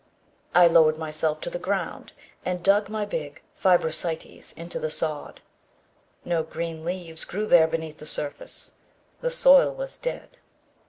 I lowered myself to the ground and dug my big fibrosities into the sod. No green leaves grew there beneath the surface. The soil was dead.